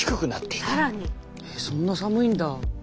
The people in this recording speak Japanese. そんな寒いんだ。